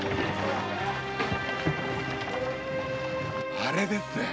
あれですぜ。